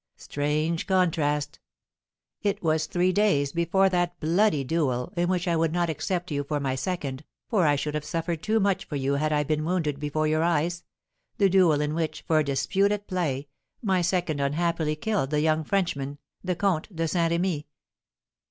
Strange contrast! It was three days before that bloody duel, in which I would not accept you for my second, for I should have suffered too much for you had I been wounded before your eyes, the duel in which, for a dispute at play, my second unhappily killed the young Frenchman, the Comte de Saint Remy.